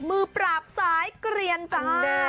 มือปราบสายเกลียนจ้า